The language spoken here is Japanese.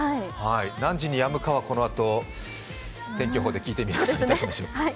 何時にやむかはこのあと天気予報で聞いてみることにいたしましょう。